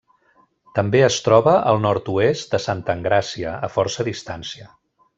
També es troba al nord-oest de Santa Engràcia, a força distància.